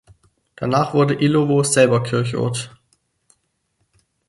Danach wurde Illowo selber Kirchort.